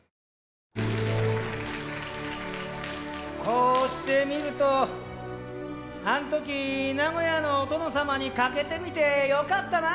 こうしてみるとあんとき名古屋のお殿様に賭けてみてよかったな。